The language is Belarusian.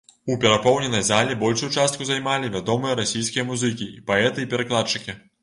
У перапоўненай зале большую частку займалі вядомыя расійскія музыкі, паэты і перакладчыкі.